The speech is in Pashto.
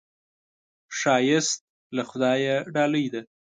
ښایست له خدایه ډالۍ ده